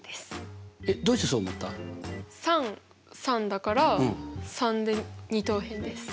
３３だから３で二等辺です。